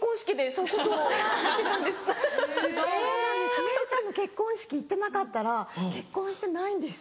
そうなんですめちゃんの結婚式行ってなかったら結婚してないんです。